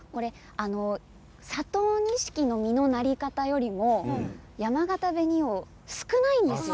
佐藤錦の実のなり方よりもやまがた紅王、少ないんですよ